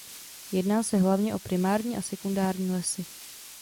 Jedná se hlavně o primární a sekundární lesy.